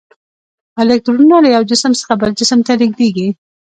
الکترونونه له یو جسم څخه بل جسم ته لیږدیږي.